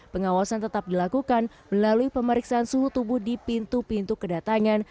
pengawasan tetap dilakukan melalui pemeriksaan suhu tubuh di pintu pintu kedatangan